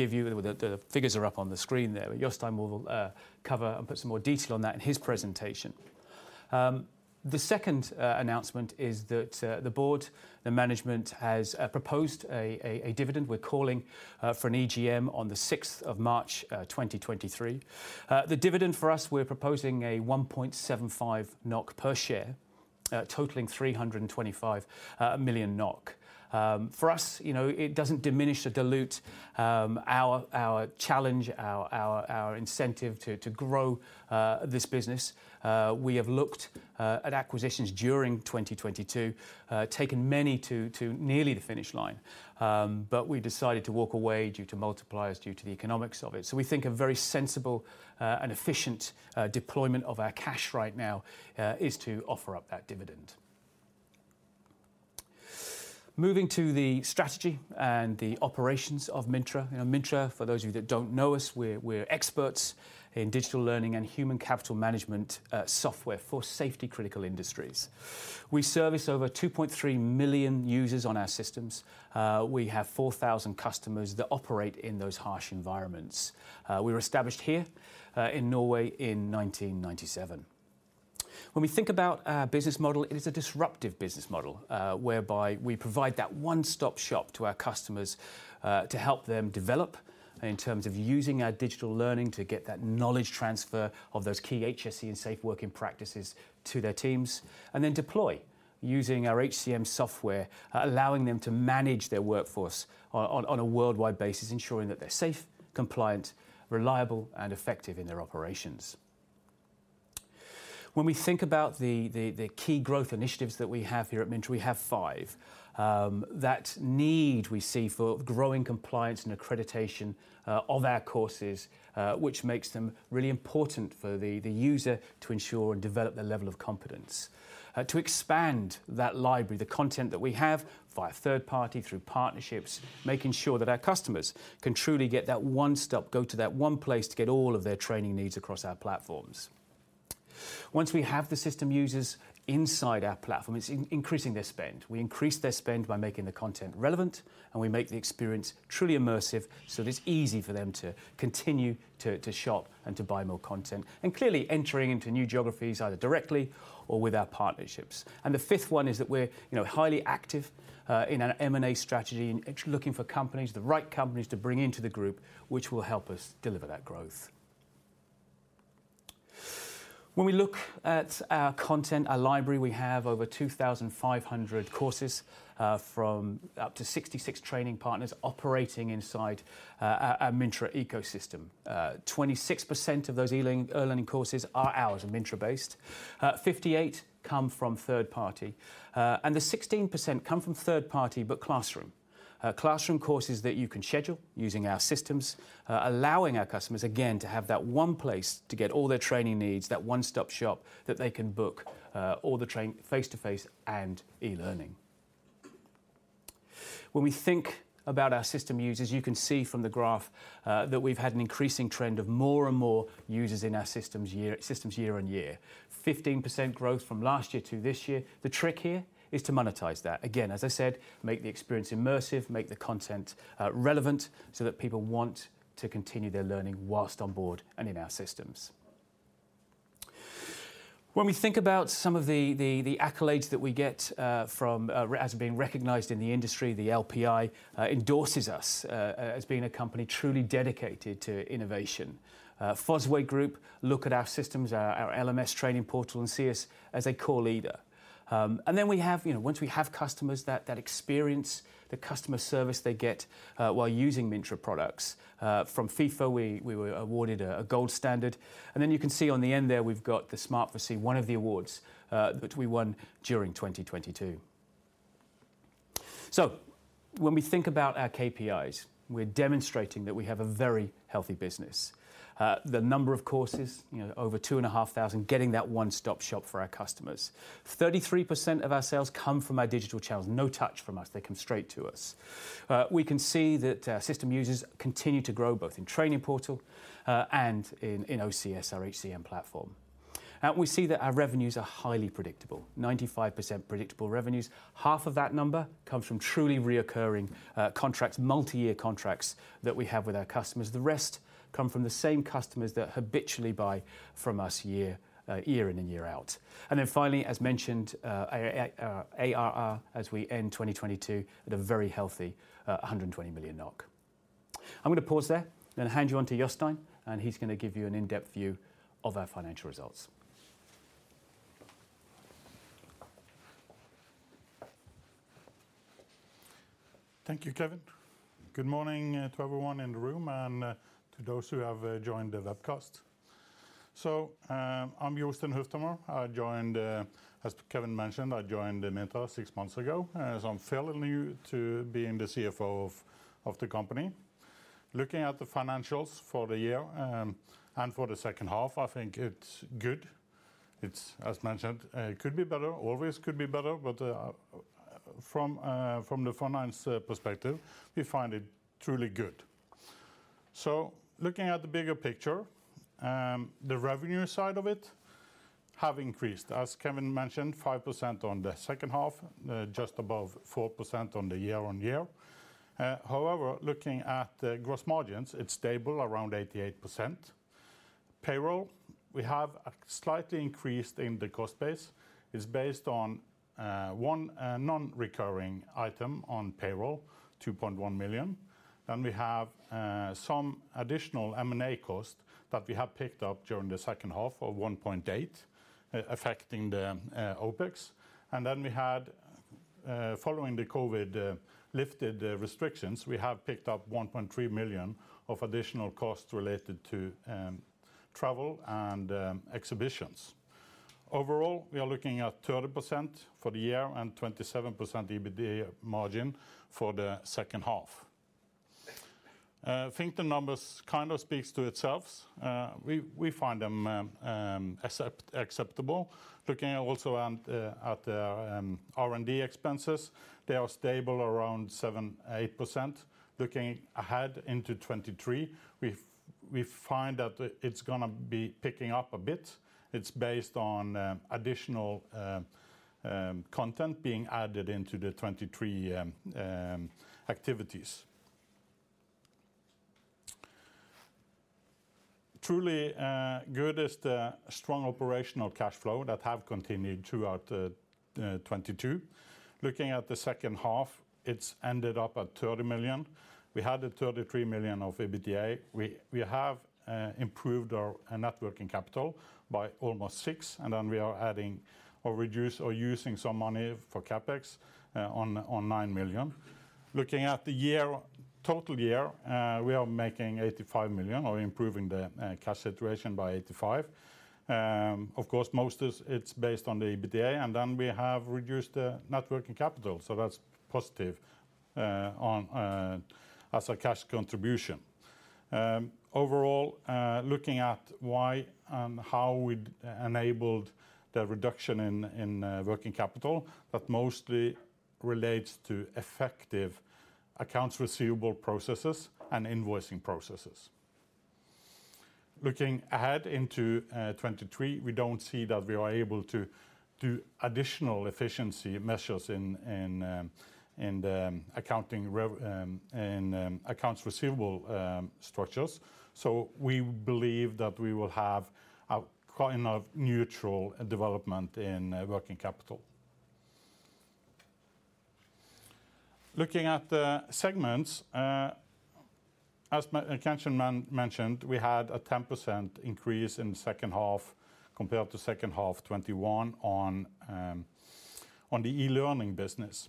Give you the figures are up on the screen there. Jostein will cover and put some more detail on that in his presentation. The second announcement is that the Board... the management has proposed a dividend. We're calling for an EGM on the sixth of March, 2023. The dividend for us, we're proposing a 1.75 NOK per share, totaling 325 million NOK. For us, you know, it doesn't diminish or dilute our challenge, our incentive to grow this business. We have looked at acquisitions during 2022, taken many to nearly the finish line. We decided to walk away due to multipliers, due to the economics of it. We think a very sensible and efficient deployment of our cash right now is to offer up that dividend. Moving to the strategy and the operations of Mintra. You know, Mintra, for those of you that don't know us, we're experts in digital learning and human capital management software for safety-critical industries. We service over 2.3 million users on our systems. We have 4,000 customers that operate in those harsh environments. We were established here in Norway in 1997. When we think about our business model, it is a disruptive business model, whereby we provide that one-stop shop to our customers to help them develop in terms of using our digital learning to get that knowledge transfer of those key HSE and safe working practices to their teams. Then deploy using our HCM software, allowing them to manage their workforce on a worldwide basis, ensuring that they're safe, compliant, reliable, and effective in their operations. We think about the key growth initiatives that we have here at Mintra, we have five. That need we see for growing compliance and accreditation of our courses, which makes them really important for the user to ensure and develop their level of competence. To expand that library, the content that we have via third party, through partnerships, making sure that our customers can truly get that one stop, go to that one place to get all of their training needs across our platforms. Once we have the system users inside our platform, it's increasing their spend. We increase their spend by making the content relevant. We make the experience truly immersive, so that it's easy for them to continue to shop and to buy more content. Clearly entering into new geographies, either directly or with our partnerships. The fifth one is that we're, you know, highly active in an M&A strategy and actually looking for companies, the right companies to bring into the group, which will help us deliver that growth. When we look at our content, our library, we have over 2,500 courses from up to 66 training partners operating inside our Mintra ecosystem. 26% of those e-learning courses are ours and Mintra based. 58 come from third party. The 16% come from third party, but classroom. Classroom courses that you can schedule using our systems, allowing our customers, again, to have that one place to get all their training needs, that one-stop shop that they can book all the face-to-face and e-learning. When we think about our system users, you can see from the graph, that we've had an increasing trend of more and more users in our systems year-on-year. 15% growth from last year to this year. The trick here is to monetize that. Again, as I said, make the experience immersive, make the content, relevant, so that people want to continue their learning whilst on board and in our systems. When we think about some of the accolades that we get from as being recognized in the industry, the LPI endorses us as being a company truly dedicated to innovation. Fosway Group look at our systems, our LMS Trainingportal, and see us as a core leader. We have, you know, once we have customers, that experience, the customer service they get while using Mintra products. From LPI, we were awarded a Gold Standard. You can see on the end there, we've got the Smart4Sea, one of the awards which we won during 2022. When we think about our KPIs, we're demonstrating that we have a very healthy business. The number of courses, you know, over 2,500, getting that one-stop shop for our customers. 33% of our sales come from our digital channels. No touch from us. They come straight to us. We can see that system users continue to grow both in Trainingportal and in OCS, our HCM platform. We see that our revenues are highly-predictable, 95% predictable revenues. Half of that number comes from truly recurring contracts, multi-year contracts that we have with our customers. The rest come from the same customers that habitually buy from us year in and year out. Finally, as mentioned, ARR as we end 2022 at a very healthy 120 million NOK. I'm gonna pause there, then hand you on to Jostein, and he's gonna give you an in-depth view of our financial results. Thank you, Kevin. Good morning, to everyone in the room and, to those who have, joined the webcast. I'm Jostein Hufthammer. I joined, as Kevin mentioned, I joined Mintra six months ago. I'm fairly new to being the CFO of the company. Looking at the financials for the year, and for the second half, I think it's good. It's, as mentioned, could be better, always could be better. From the finance perspective, we find it truly good. Looking at the bigger picture, the revenue side of it, have increased. As Kevin mentioned, 5% on the second half, just above 4% on the year-over-year. However, looking at the gross margins, it's stable around 88%. Payroll, we have slightly increased in the cost base. It's based on one non-recurring item on payroll, 2.1 million. We have some additional M&A costs that we have picked up during the second half of 1.8 million, affecting the OpEx. We had following the COVID lifted restrictions, we have picked up 1.3 million of additional costs related to travel and exhibitions. Overall, we are looking at 30% for the year and 27% EBITDA margin for the second half. I think the numbers kind of speaks to itself. We find them acceptable. Looking also at the R&D expenses, they are stable around 7%-8%. Looking ahead into 2023, we find that it's gonna be picking up a bit. It's based on additional content being added into the 2023 activities. Truly good is the strong operational cash flow that have continued throughout 2022. Looking at the second half, it's ended up at 30 million. We had 33 million of EBITDA. We have improved our net working capital by almost 6 million, and then we are adding or using some money for CapEx on 9 million. Looking at the total year, we are making 85 million or improving the cash situation by 85 million. Of course, it's based on the EBITDA, and then we have reduced the net working capital, so that's positive as a cash contribution. Overall, looking at why and how we'd enabled the reduction in working capital, that mostly relates to effective accounts receivable processes and invoicing processes. Looking ahead into 2023, we don't see that we are able to do additional efficiency measures in accounts receivable structures. We believe that we will have a kind of neutral development in working capital. Looking at the segments, as Kevin mentioned, we had a 10% increase in the second half compared to second half 2021 on the eLearning business.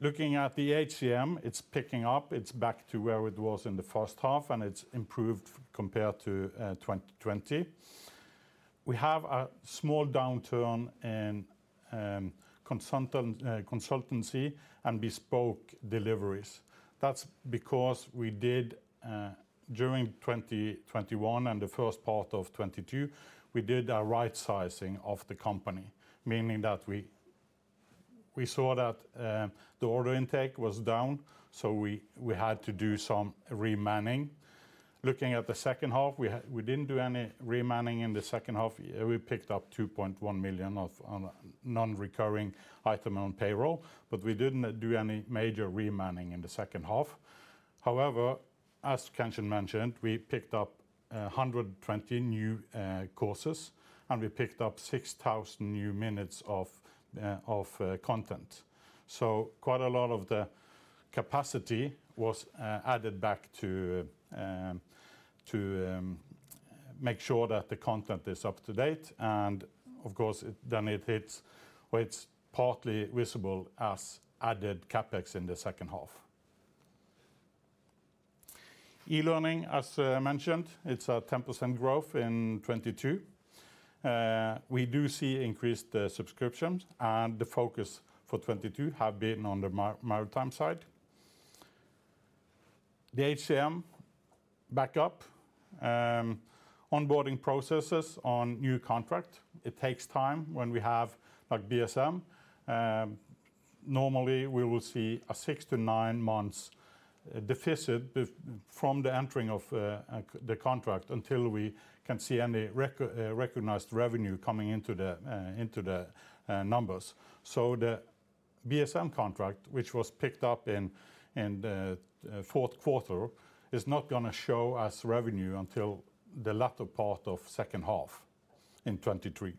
Looking at the HCM, it's picking up. It's back to where it was in the first half, and it's improved compared to 2020. We have a small downturn in consultancy and bespoke deliveries. That's because we did during 2021 and the first part of 2022, we did a right sizing of the company, meaning that we saw that the order intake was down, so we had to do some remanning. Looking at the second half, we didn't do any remanning in the second half. We picked up 2.1 million of, on non-recurring item on payroll, we didn't do any major remanning in the second half. As Kevin mentioned, we picked up 120 new courses, and we picked up 6,000 new minutes of content. Quite a lot of the capacity was added back to make sure that the content is up to date and, of course, it then it's partly visible as added CapEx in the second half. eLearning, as mentioned, it's a 10% growth in 2022. We do see increased subscriptions, and the focus for 2022 have been on the maritime side. The HCM back up. Onboarding processes on new contract, it takes time when we have like BSM. Normally, we will see a six-to-nine-months deficit from the entering of the contract until we can see any recognized revenue coming into the numbers. The BSM contract, which was picked up in the fourth quarter, is not gonna show as revenue until the latter part of second half in 2023.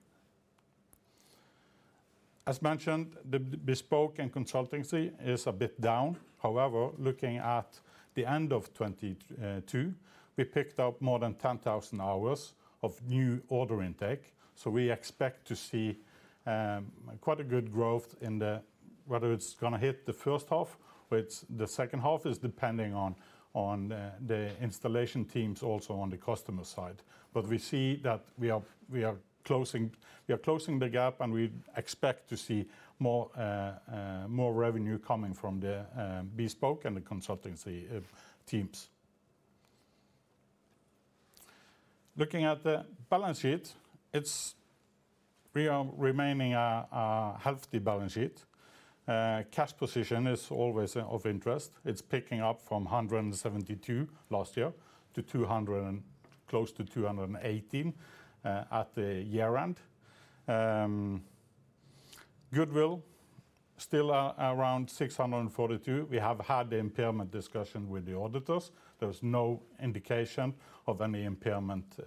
As mentioned, the bespoke and consultancy is a bit down. Looking at the end of 2022, we picked up more than 10,000 hours of new order intake, so we expect to see quite a good growth in the... Whether it's going to hit the first half or it's the second half is depending on the installation teams also on the customer side. We see that we are closing the gap, and we expect to see more revenue coming from the bespoke and the consultancy teams. Looking at the balance sheet, it's remaining a healthy balance sheet. Cash position is always of interest. It's picking up from 172 last year to 218 at the year-end. Goodwill still around 642. We have had the impairment discussion with the auditors. There's no indication of any impairment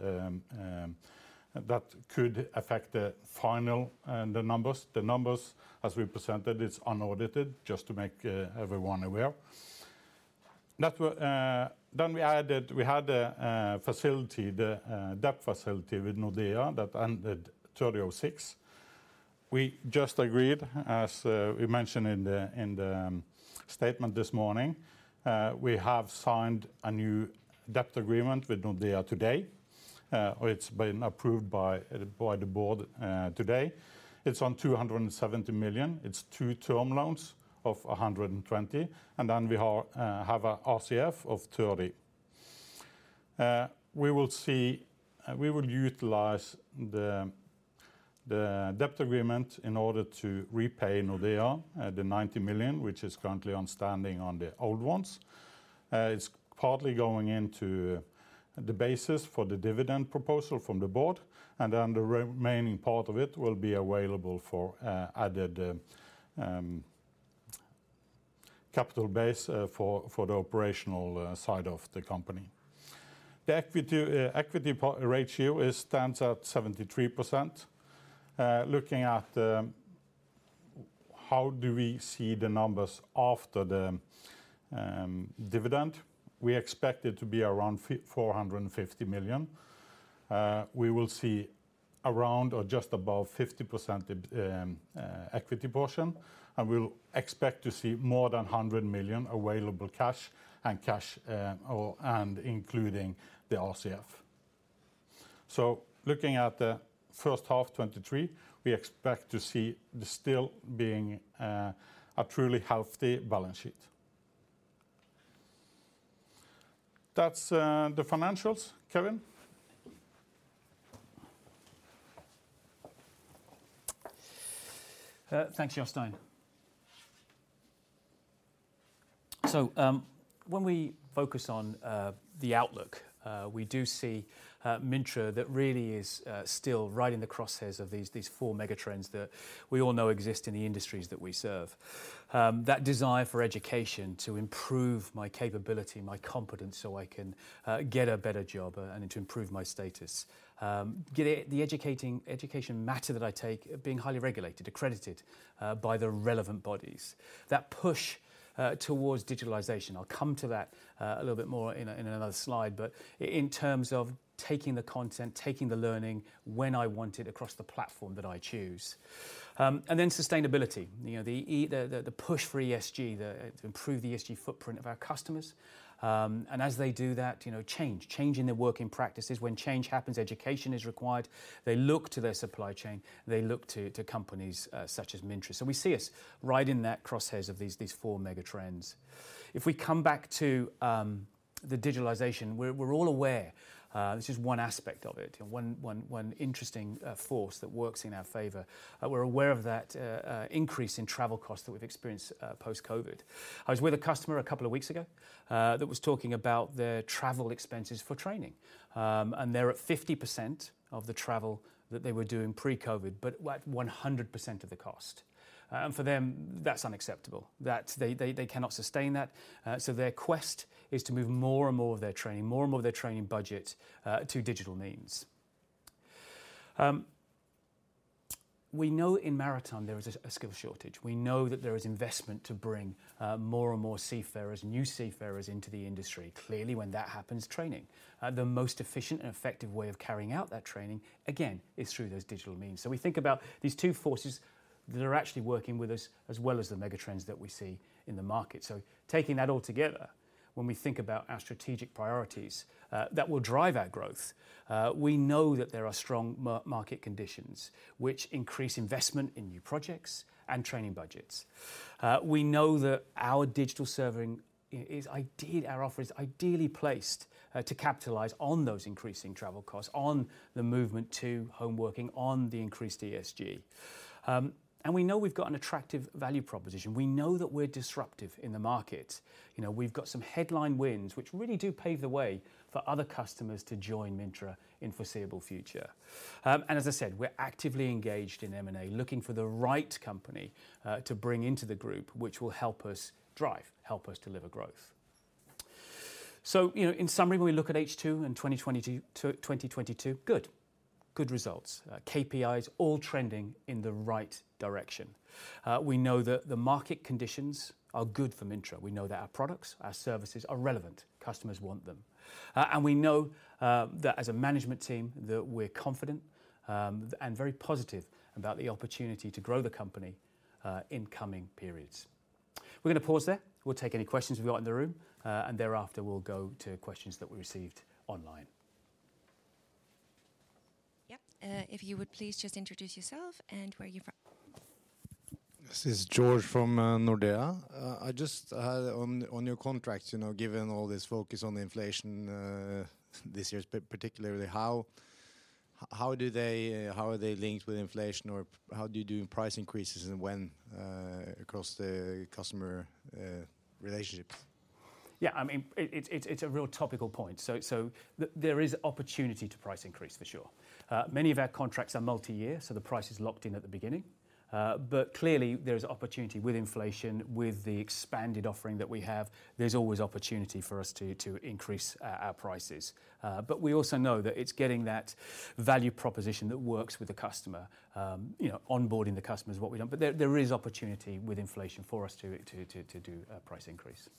that could affect the final numbers. The numbers as we presented is unaudited, just to make everyone aware. We had a facility, the debt facility with Nordea that ended thirty-oh-six. We just agreed, as we mentioned in the statement this morning, we have signed a new debt agreement with Nordea today. It's been approved by the board today. It's on 270 million. It's two term loans of 120, and then we have a RCF of NOK 30. We will utilize the debt agreement in order to repay Nordea, the 90 million, which is currently on standing on the old ones. It's partly going into the basis for the dividend proposal from the board, and then the remaining part of it will be available for added capital base for the operational side of the company. The equity ratio stands at 73%. Looking at how do we see the numbers after the dividend, we expect it to be around 450 million. We will see around or just above 50% equity portion, and we'll expect to see more than 100 million available cash and including the RCF. Looking at the first half 2023, we expect to see this still being a truly healthy balance sheet. That's the financials. Kevin? Thanks, Jostein. When we focus on the outlook, we do see Mintra that really is still right in the crosshairs of these four megatrends that we all know exist in the industries that we serve. That desire for education to improve my capability, my competence, so I can get a better job and to improve my status. Get the educating, education matter that I take being highly regulated, accredited by the relevant bodies. That push towards digitalization. I'll come to that a little bit more in another slide. In terms of taking the content, taking the learning when I want it across the platform that I choose. Then sustainability. You know, the push for ESG, to improve the ESG footprint of our customers. As they do that, you know, changing their working practices. When change happens, education is required. They look to their supply chain, they look to companies such as Mintra. We see us right in that crosshairs of these four megatrends. If we come back to the digitalization, we're all aware, this is one aspect of it, one interesting force that works in our favor. We're aware of that increase in travel costs that we've experienced post-COVID. I was with a customer a couple of weeks ago that was talking about their travel expenses for training. They're at 50% of the travel that they were doing pre-COVID, but at 100% of the cost. For them, that's unacceptable. They cannot sustain that. Their quest is to move more and more of their training, more and more of their training budget to digital means. We know in maritime there is a skill shortage. We know that there is investment to bring more and more seafarers, new seafarers into the industry. Clearly, when that happens, training. The most efficient and effective way of carrying out that training, again, is through those digital means. We think about these two forces that are actually working with us as well as the megatrends that we see in the market. Taking that all together, when we think about our strategic priorities that will drive our growth, we know that there are strong market conditions which increase investment in new projects and training budgets. We know that our digital serving our offer is ideally placed to capitalize on those increasing travel costs, on the movement to home working, on the increased ESG. We know we've got an attractive value proposition. We know that we're disruptive in the market. You know, we've got some headline wins which really do pave the way for other customers to join Mintra in foreseeable future. As I said, we're actively engaged in M&A, looking for the right company to bring into the group, which will help us drive, help us deliver growth. You know, in summary, when we look at H2 in 2022, good. Good results. KPIs all trending in the right direction. We know that the market conditions are good for Mintra. We know that our products, our services are relevant, customers want them. We know that as a management team that we're confident, and very positive about the opportunity to grow the company in coming periods. We're gonna pause there. We'll take any questions we've got in the room, and thereafter we'll go to questions that we received online. Yeah. If you would please just introduce yourself and where you're from? This is George from Nordea. I just on your contracts, you know, given all this focus on inflation, this year's particularly, how do they, how are they linked with inflation, or how do you do price increases and when, across the customer relationships? Yeah, I mean, it's a real topical point. There is opportunity to price increase for sure. Many of our contracts are multi-year, the price is locked in at the beginning. Clearly there is opportunity with inflation, with the expanded offering that we have, there's always opportunity for us to increase our prices. We also know that it's getting that value proposition that works with the customer. You know, onboarding the customer is what we don't... There is opportunity with inflation for us to do a price increase.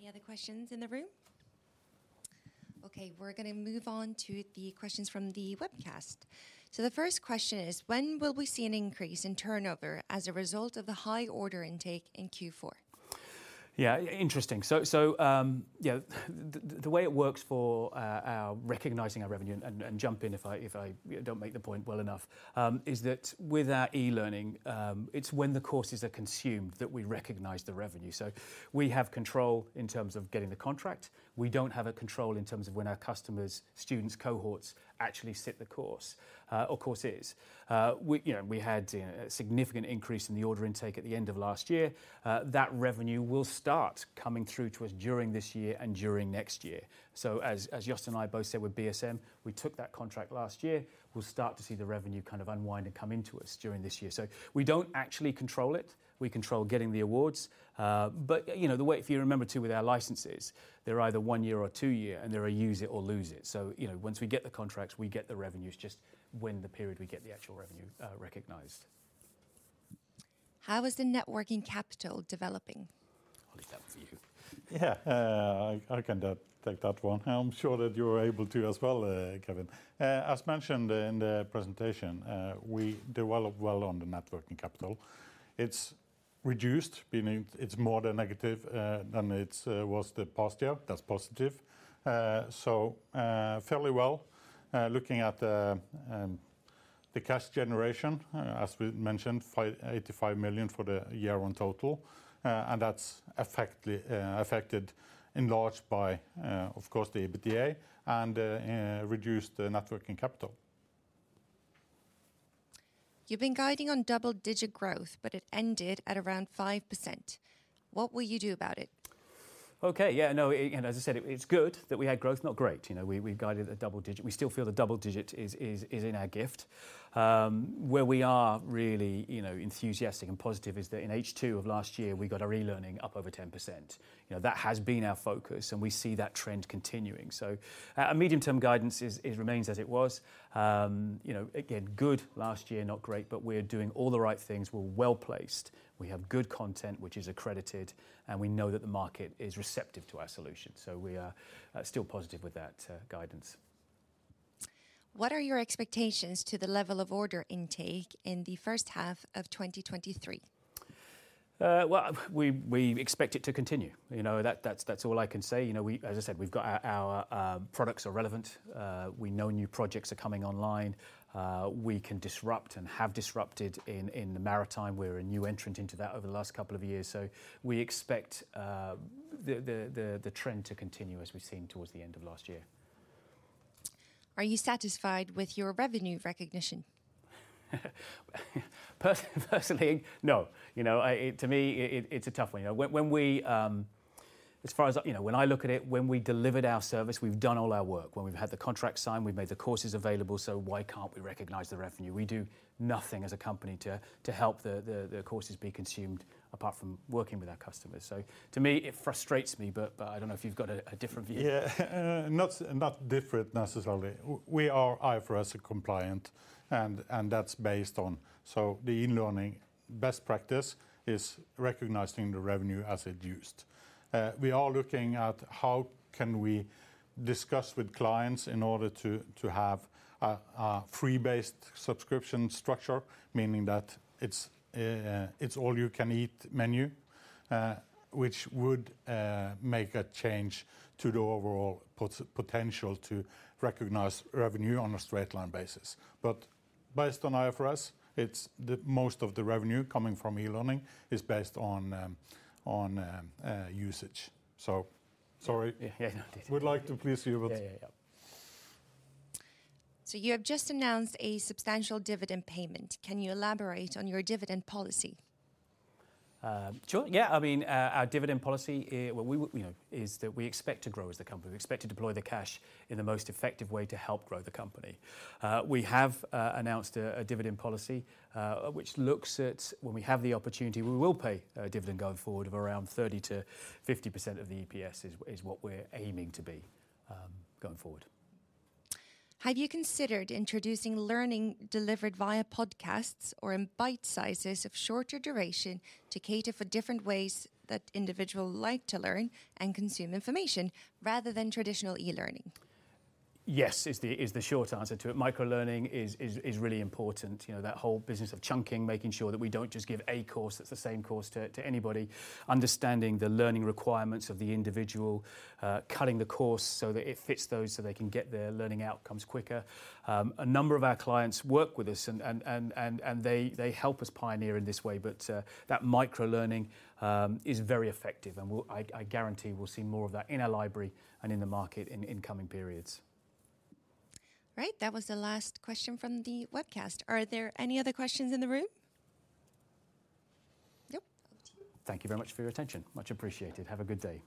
Any other questions in the room? Okay, we're gonna move on to the questions from the webcast. The first question is: When will we see an increase in turnover as a result of the high order intake in Q4? Yeah, interesting. Yeah, the way it works for our recognizing our revenue, jump in if I don't make the point well enough, is that with our eLearning, it's when the courses are consumed that we recognize the revenue. We have control in terms of getting the contract. We don't have a control in terms of when our customers, students, cohorts actually sit the course or courses. We, you know, we had a significant increase in the order intake at the end of last year. That revenue will start coming through to us during this year and during next year. As Jost and I both said with BSM, we took that contract last year. We'll start to see the revenue kind of unwind and come into us during this year. We don't actually control it. We control getting the awards. you know, if you remember too, with our licenses, they're either one year or two year, and they're a use it or lose it. you know, once we get the contracts, we get the revenues, just when the period we get the actual revenue recognized. How is the net working capital developing? Jost, that's you. Yeah. I can take that one. I'm sure that you're able to as well, Kevin. As mentioned in the presentation, we developed well on the net working capital. It's reduced, meaning it's more than negative than it was the past year. That's positive. Fairly well. Looking at the cash generation, as we mentioned, 85 million for the year-one total, that's affected enlarged by, of course, the EBITDA and reduced the net working capital. You've been guiding on double-digit growth, but it ended at around 5%. What will you do about it? Okay. Yeah, no, and as I said, it's good that we had growth, not great. You know, we've guided at double-digit. We still feel the double-digit is in our gift. Where we are really, you know, enthusiastic and positive is that in H2 of last year, we got our eLearning up over 10%. You know, that has been our focus, and we see that trend continuing. Our, our medium term guidance is, it remains as it was. You know, again, good last year, not great, but we're doing all the right things. We're well-placed. We have good content which is accredited, and we know that the market is receptive to our solution. We are still positive with that guidance. What are your expectations to the level of order intake in the first half of 2023? Well, we expect it to continue. You know, that's all I can say. You know, as I said, we've got our products are relevant. We know new projects are coming online. We can disrupt and have disrupted in the maritime. We're a new entrant into that over the last couple of years, we expect the trend to continue as we've seen towards the end of last year. Are you satisfied with your revenue recognition? Personally, no. You know, to me, it's a tough one. You know, when we as far as I you know, when I look at it, when we delivered our service, we've done all our work. When we've had the contract signed, we've made the courses available, why can't we recognize the revenue? We do nothing as a company to help the courses be consumed apart from working with our customers. To me, it frustrates me, but I don't know if you've got a different view. Not different necessarily. We are IFRS compliant and that's based on. The e-learning best practice is recognizing the revenue as it's used. We are looking at how can we discuss with clients in order to have a free-based subscription structure, meaning that it's all you can eat menu, which would make a change to the overall pot-potential to recognize revenue on a straight line basis. Based on IFRS, it's the most of the revenue coming from e-learning is based on usage. Sorry. Yeah, yeah. We'd like to please you. Yeah. Yeah. Yeah. You have just announced a substantial dividend payment. Can you elaborate on your dividend policy? Sure, yeah. I mean, our dividend policy, you know, is that we expect to grow as the company. We expect to deploy the cash in the most effective way to help grow the company. We have announced a dividend policy which looks at when we have the opportunity, we will pay a dividend going forward of around 30%-50% of the EPS is what we're aiming to be going forward. Have you considered introducing learning delivered via podcasts or in bite sizes of shorter duration to cater for different ways that individual like to learn and consume information rather than traditional e-learning? Yes, is the short answer to it. Microlearning is really important. You know, that whole business of chunking, making sure that we don't just give a course that's the same course to anybody, understanding the learning requirements of the individual, cutting the course so that it fits those so they can get their learning outcomes quicker. A number of our clients work with us and they help us pioneer in this way. That micro-learning is very effective, and I guarantee we'll see more of that in our library and in the market in coming periods. That was the last question from the webcast. Are there any other questions in the room? Nope. Thank you very much for your attention. Much appreciated. Have a good day.